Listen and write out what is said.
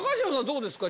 どうですか？